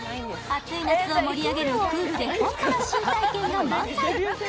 熱い夏を盛り上げるホットでクールな新体験が満載。